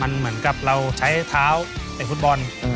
เหมือนกับเราใช้เท้าเตะฟุตบอล